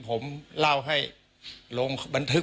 ผมเล่าให้ลงบันทึก